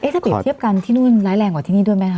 ถ้าเปรียบเทียบกันที่นู่นร้ายแรงกว่าที่นี่ด้วยไหมค